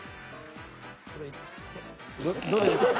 どれですか？